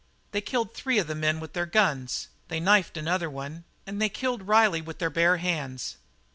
They killed three of the men with their guns; they knifed another one, an' they killed Riley with their bare hands.